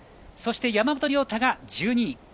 そして山本涼太が１２位。